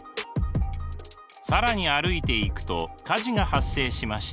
更に歩いていくと火事が発生しました。